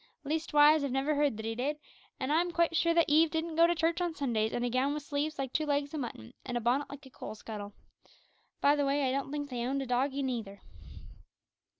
Leastwise, I've never heard that he did; an' I'm quite sure that Eve didn't go to church on Sundays in a gown wi' sleeves like two legs o' mutton, an' a bonnet like a coal scuttle. By the way, I don't think they owned a doggie neither."